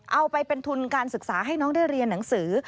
เอาไปเป็นทุนการศึกษาให้น้องได้เรียนหนังสือ